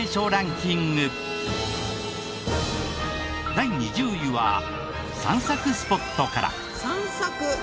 第２０位は散策スポットから。